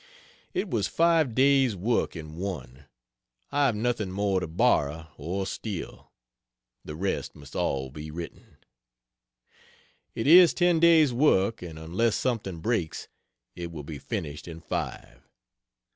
It was five days work in one. I have nothing more to borrow or steal; the rest must all be written. It is ten days work, and unless something breaks, it will be finished in five.